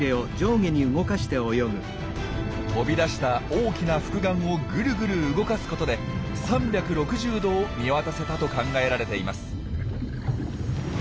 飛び出した大きな複眼をグルグル動かすことで３６０度を見渡せたと考えられています。